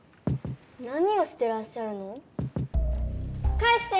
何をしてらっしゃるの？かえして！